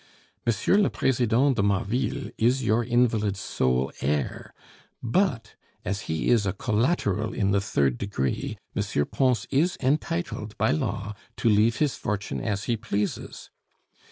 M. le President de Marville is your invalid's sole heir; but as he is a collateral in the third degree, M. Pons is entitled by law to leave his fortune as he pleases.